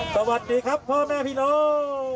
สวัสดีครับพ่อแม่พี่น้อง